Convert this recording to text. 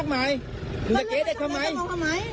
ถูปเอ้า